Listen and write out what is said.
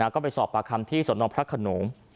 ก็ไปสอบปากคำที่สนพระขนง